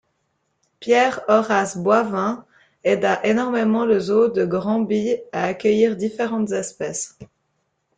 Pierre-Horace Boivin aida énormément le zoo de Granby à accueillir différentes espèces.